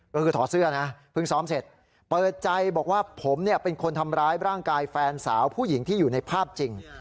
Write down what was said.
ก็คือถอดเสื้อนะเพิ่งซ้อมเสร็จเปิดใจบอกว่าผมเป็นคนทำร้ายร่างกายแฟนสาวผู้หญิงที่อยู่ในภาพจริง